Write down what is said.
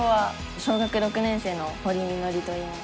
小学６年生の堀充紀といいます。